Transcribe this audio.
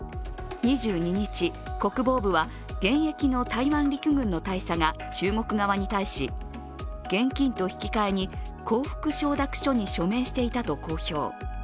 ２２日、国防部は現役の台湾陸軍の大佐が中国側に対し、現金と引き換えに降伏承諾書に署名していたと公表。